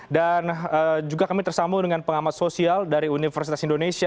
juga kami tersambung dengan pengamat sosial dari universitas indonesia